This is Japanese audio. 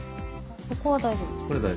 そこは大丈夫です。